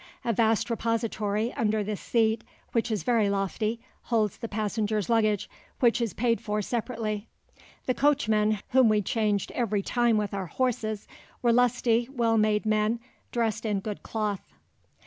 A vast repository, under this seat, which is very lofty, holds the passengers' luggage, which is paid for separately. The coachmen, whom we changed every time with our horses, were lusty, well made men, dressed in good cloth."